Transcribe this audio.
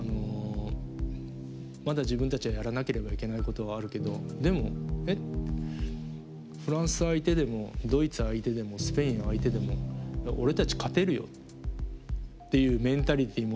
まだ自分たちがやらなければいけないことはあるけどでも「えっフランス相手でもドイツ相手でもスペイン相手でも俺たち勝てるよ」っていうメンタリティー持ってます。